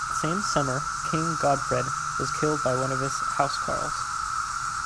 That same summer King Godfred was killed by one of his housecarls.